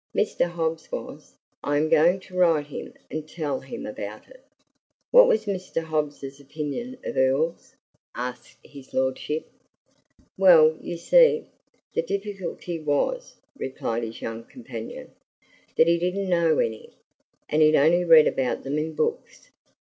Mr. Hobbs was. I am going to write him, and tell him about it." "What was Mr. Hobbs's opinion of earls?" asked his lordship. "Well, you see, the difficulty was," replied his young companion, "that he didn't know any, and he'd only read about them in books.